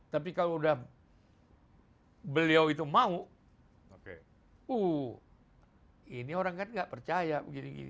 tapi kalau udah beliau itu mau ini orang kan gak percaya begini